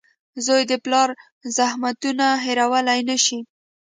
• زوی د پلار زحمتونه هېرولی نه شي.